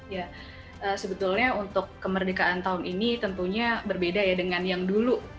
ya sebetulnya untuk kemerdekaan tahun ini tentunya berbeda ya dengan yang dulu